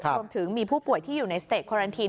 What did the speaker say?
รวมถึงมีผู้ป่วยที่อยู่ในสเตจโครันทีน